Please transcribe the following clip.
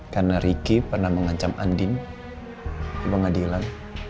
karena ricky pernah mengancam andin di pengadilan